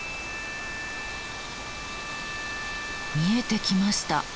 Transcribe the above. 見えてきました。